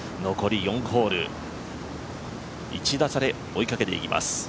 残り４ホール、１打差で追いかけています。